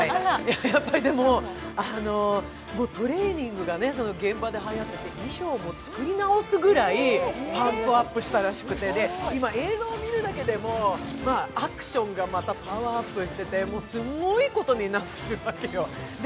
やっぱりトレーニングが現場ではやってて衣装も作り直すくらいパンプアップしたらしくて今映像を見るだけでもアクションがパワーアップしててすごいことになってるわけよ。